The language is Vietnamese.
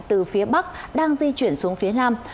từ phía bắc đang di chuyển xuống phía nam